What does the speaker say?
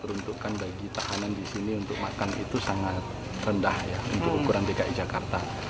peruntukan bagi tahanan di sini untuk makan itu sangat rendah ya untuk ukuran dki jakarta